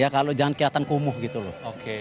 kalau jangan kelihatan kumuh gitu loh